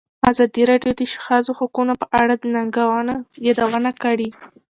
ازادي راډیو د د ښځو حقونه په اړه د ننګونو یادونه کړې.